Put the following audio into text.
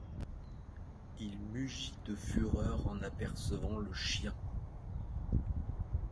Il mugit de fureur en apercevant le chien.